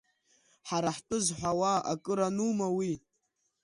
Ҳара ҳтәы зҳәауа акыр анума уи?